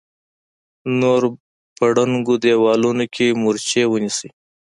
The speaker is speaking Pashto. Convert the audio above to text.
نور په ړنګو دېوالونو کې مورچې ونيسئ!